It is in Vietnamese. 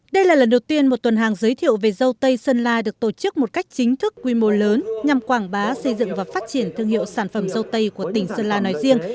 đây là lần đầu tiên một tuần hàng giới thiệu về dâu tây sơn la được tổ chức một cách chính thức quy mô lớn nhằm quảng bá xây dựng và phát triển thương hiệu sản phẩm dâu tây của tỉnh sơn la nói riêng